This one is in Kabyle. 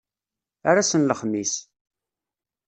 Ar ass n lexmis!